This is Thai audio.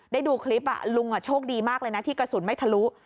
ดูคลิปลุงโชคดีมากเลยนะที่กระสุนไม่ทะลุ